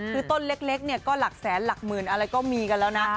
คือต้นเล็กเนี่ยก็หลักแสนหลักหมื่นอะไรก็มีกันแล้วนะ